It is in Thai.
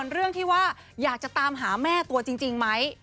เรื่องที่ว่าอยากจะตามหาแม่ตัวจริงไหม